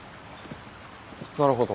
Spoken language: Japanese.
なるほど。